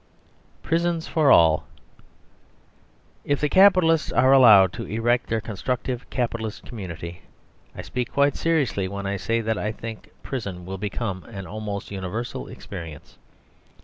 Prisons for All If the capitalists are allowed to erect their constructive capitalist community, I speak quite seriously when I say that I think Prison will become an almost universal experience.